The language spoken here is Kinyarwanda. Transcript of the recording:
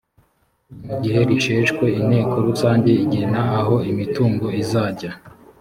mu gihe risheshwe inteko rusange igena aho imitungo izajya